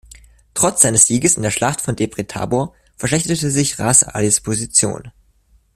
Trotz seines Sieges in der Schlacht von Debre Tabor verschlechterte sich Ras Alis Position.